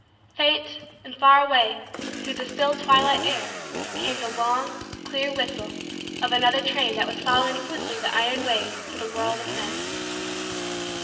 Faint and far away, through the still twilight air, came the long, clear, whistle of another train that was following swiftly the iron ways to the world of men.